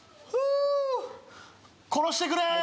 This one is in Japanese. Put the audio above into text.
殺してくれー！